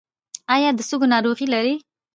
ایا د سږو ناروغي لرئ؟